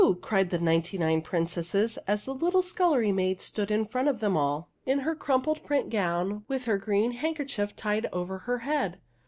cried the ninety nine prin cesses, as the little scullery maid stood in front of them all, in her crumpled print gown, with her green handkerchief tied over her head.